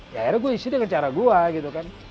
ya akhirnya gue isi dengan cara gue gitu kan